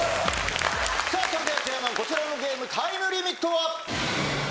それではチェアマンこちらのゲームタイムリミットは？